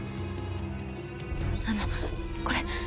あのこれ。